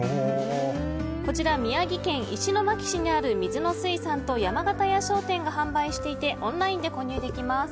こちら、宮城県石巻市にある水野水産と山形屋商店が販売していてオンラインで購入できます。